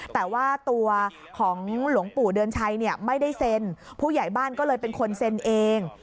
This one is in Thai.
แต่ว่าตัวของหลวงปู่เดือนชัยเนี่ยไม่ได้เซ็นผู้ใหญ่บ้านก็เลยเป็นคนเซ็นเอง